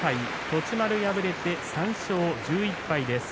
栃丸、敗れて３勝１１敗です。